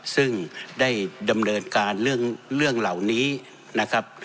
ซึ่งได้ดำเนินการเรื่องเหล่านี้นะครับ